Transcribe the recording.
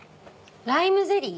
ライムゼリー。